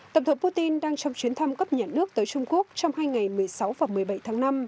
tổng thống putin đang trong chuyến thăm cấp nhận nước tới trung quốc trong hai ngày một mươi sáu và một mươi bảy tháng năm